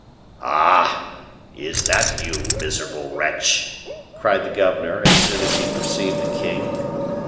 "Ah! is that you, miserable wretch?" cried the governor, as soon as he perceived the king.